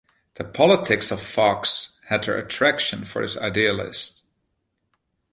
The politics of Fox had their attraction for this idealist.